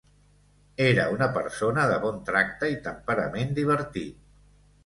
Era una persona de bon tracte i temperament divertit.